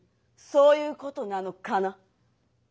そういうことなのかな。